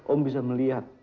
om bisa melihat